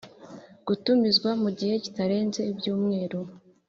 gutumizwa mu gihe kitarenze ibyumweru